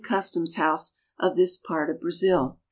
customs house oi this part of Brazil.